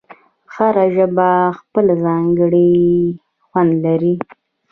هره ژبه خپل ځانګړی خوند لري.